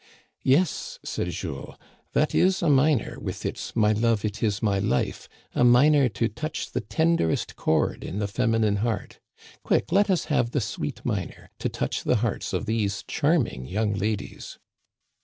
"Yes," said Jules, "that is a minor, with its *My love it is my life *; a minor to touch the tenderest chord in the feminine heart. Quick, let us have the sweet minor, to touch the hearts of these charming young ladies